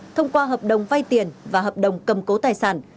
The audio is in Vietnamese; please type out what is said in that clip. thông qua hợp đồng vay tiền và hợp đồng cầm cố tài sản